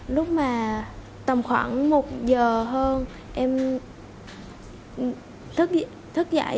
lúc mà tầm khoảng một giờ hơn em thức dậy